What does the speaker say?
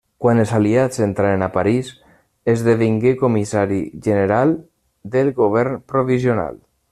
Quan els Aliats entraren a París, esdevingué comissari general del govern provisional.